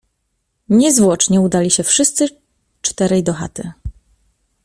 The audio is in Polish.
Niezwłocznie udali się wszyscy czterej do chaty.